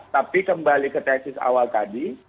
tapi kembali ke tesis awal tadi